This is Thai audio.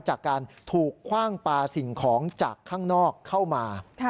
จากการถูกคว่างปลาสิ่งของจากข้างนอกเข้ามา